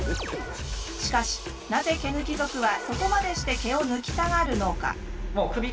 しかしなぜ毛抜き族はそこまでして毛を抜きたがるのか？